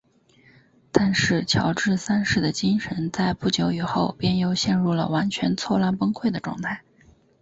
但是乔治三世的精神在不久以后便又陷入了完全错乱崩溃的状态。